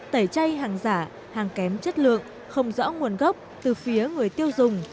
tẩy chay hàng giả hàng kém chất lượng không rõ nguồn gốc từ phía người tiêu dùng